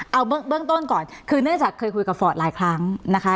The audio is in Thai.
เอาเบื้องต้นก่อนคือเนื่องจากเคยคุยกับฟอร์ดหลายครั้งนะคะ